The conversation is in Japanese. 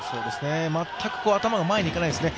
全く頭が前にいかないですね。